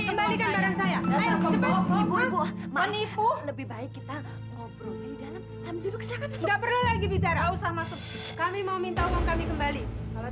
di dalam sambil tidak perlu lagi bicara usah masuk kami mau minta uang kami kembali kalau